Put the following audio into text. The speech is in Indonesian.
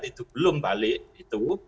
itu belum balik itu